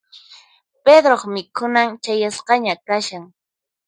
Pedroq mikhunan chayasqaña kashan.